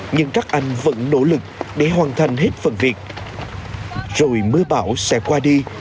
nhưng các anh vẫn nỗ lực để hoàn thành hết phần việc rồi mưa bão sẽ qua đi